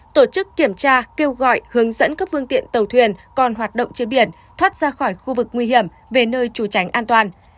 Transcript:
tổ chức kiểm tra kêu gọi hướng dẫn các phương tiện tàu thuyền còn hoạt động trên biển thoát ra khỏi khu vực nguy hiểm về nơi trú tránh an toàn